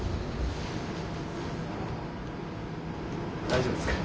大丈夫ですか？